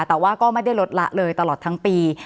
แต่ว่าก็ไม่ได้ลดละเลยตลอดทั้งปี